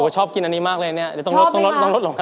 โหชอบกินอันนี้มากเลยเนี่ยต้องลดต้องลด